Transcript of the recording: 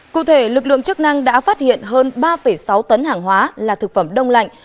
cụ thể lực lượng chức năng đã phát hiện hơn ba sáu tấn hàng hóa là thực phẩm đông lạnh